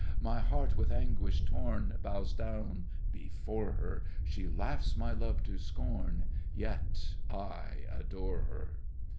My heart with anguish torn Bows down before her, She laughs my love to scorn, Yet I adore her!